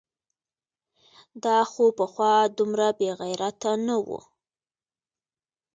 دا خو پخوا دومره بېغیرته نه و؟!